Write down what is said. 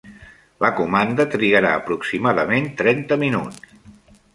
La comanda trigarà aproximadament trenta minuts.